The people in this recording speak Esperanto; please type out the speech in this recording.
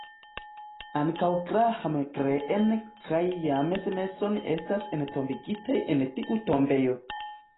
Ankaŭ Graham Greene kaj James Mason estas entombigitaj en tiu tombejo.